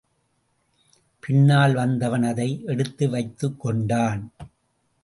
பின்னால் வந்தவன் அதை எடுத்து வைத்துக் கொண்டான்.